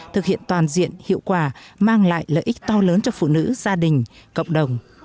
thực hiện toàn diện hiệu quả mang lại lợi ích to lớn cho phụ nữ gia đình cộng đồng